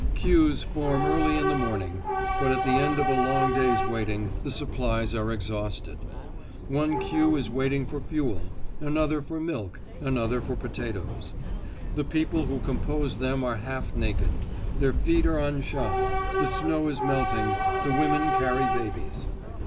Queues form early in the morning, but at the end of a long day's waiting the supplies are exhausted. One queue is waiting for fuel, another for milk, another for potatoes. The people who compose them are half naked; their feet are unshod; the snow is melting; the women carry babies.